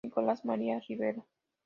Nicolás María Rivero.